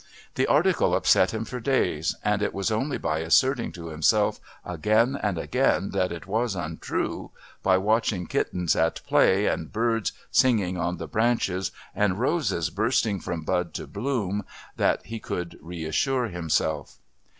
The article upset him for days, and it was only by asserting to himself again and again that it was untrue, by watching kittens at play and birds singing on the branches and roses bursting from bud to bloom, that he could reassure himself.